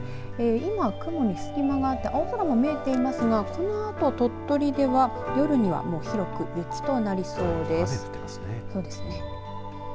今、雲に隙間があって青空も見えていますがこのあと鳥取では夜には広く雪となりそうです。